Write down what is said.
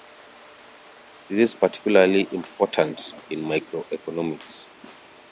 This is particularly important in microeconomics.